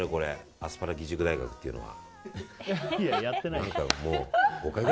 アスパラ義塾大学っていうのを。